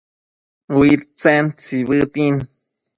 Uidtsen tsibëtin